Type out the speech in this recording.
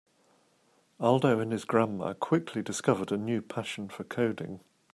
Aldo and his grandma quickly discovered a new passion for coding.